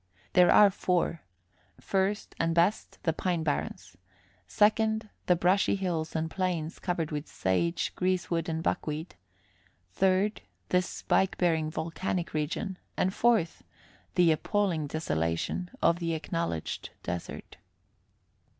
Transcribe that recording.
There are four: first, and best, the pine barrens; second, the brushy hills and plains, covered with sage, greasewood and buckweed; third, this spike bearing volcanic region; and fourth, the appalling desolation of the acknowledged desert.